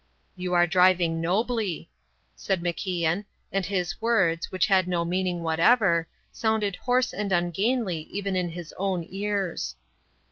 "You are driving nobly," said MacIan, and his words (which had no meaning whatever) sounded hoarse and ungainly even in his own ears.